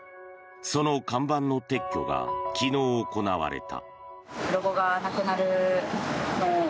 その看板の撤去が昨日行われた。